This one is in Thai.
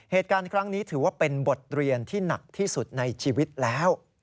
เหตุการณ์ครั้งนี้ถือว่าเป็นบทเรียนที่หนักที่สุดในชีวิตแล้ว